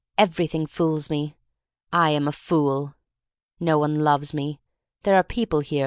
Everything fools me. I am a fool. No one loves me. There are people here.